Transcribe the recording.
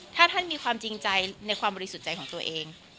ถ้าท่านมีความจริงใจในความบริสุทธิ์ใจของตัวเอง